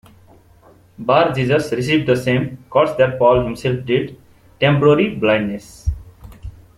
Bar-Jesus received the same curse that Paul himself did: temporary blindness.